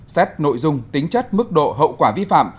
xét nội dung tính chất mức độ hậu quả vi phạm